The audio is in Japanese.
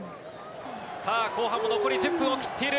さあ、後半も残り１０分を切っている。